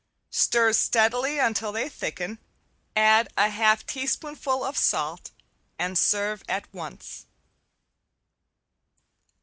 Stir steadily until they thicken, add a half teaspoonful of salt and serve at once.